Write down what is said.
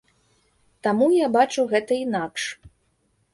Таму я бачу гэта інакш.